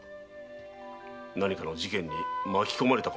何かの事件に巻き込まれたかもしれん。